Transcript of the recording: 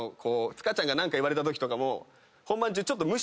塚ちゃんが何か言われたときとかも。